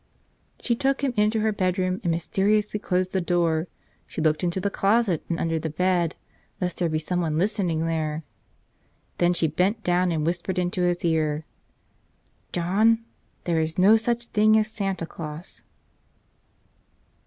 She took him into her bedroom and mysteriously closed the door. She looked into the closet and under the bed, lest there be someone listening there. Then she bent down and whispered into his ear, "John, there is no such thing as Santa Claus."